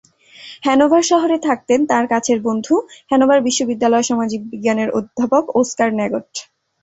Hanover শহরে থাকতেন তাঁর কাছের বন্ধু হ্যানোভার বিশ্ববিদ্যালয়ের সমাজবিজ্ঞানের অধ্যাপক ওসকার নেগট।